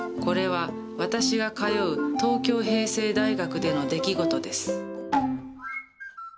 これは私が通う東京平成大学での出来事です。